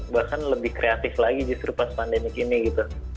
bahkan lebih kreatif lagi justru pas pandemik ini gitu